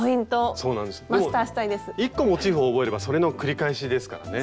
１個モチーフを覚えればそれの繰り返しですからね。